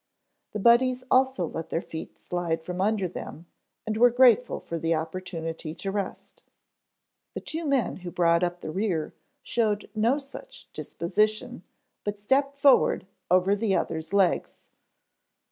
The Buddies also let their feet slide from under them and were grateful for the opportunity to rest. The two men who brought up the rear showed no such disposition, but stepped forward over the other's legs.